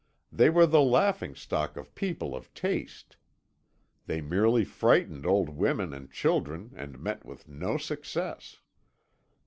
They were the laughing stock of people of taste. They merely frightened old women and children and met with no success."